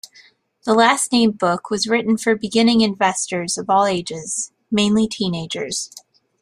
The last-named book was written for beginning investors of all ages, mainly teenagers.